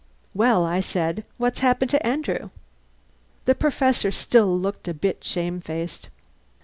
"Well," I said, "what's happened to Andrew?" The Professor still looked a bit shamefaced.